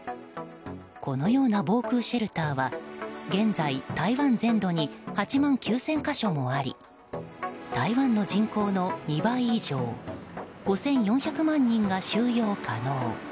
このような防空シェルターは現在、台湾全土に８万９０００か所もあり台湾の人口の２倍以上５４００万人が収容可能。